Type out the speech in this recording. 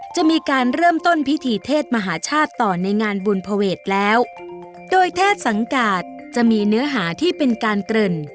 จะมีการเริ่มต้นพิธีเทศมหาชาติต่อในงานบุญภเวทแล้วโดยเทศสังกาศจะมีเนื้อหาที่เป็นการเกริ่น